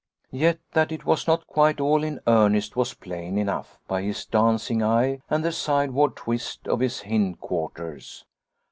Yet that it was not quite all in earnest was plain enough by his dancing eye and the sideward twist of his hind quarters.